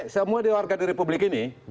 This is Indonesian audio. semua di warga di republik ini